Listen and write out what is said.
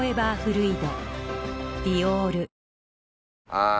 ああ